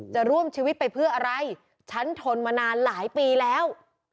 จะร่วมชีวิตไปเพื่ออะไรฉันทนมานานหลายปีแล้ว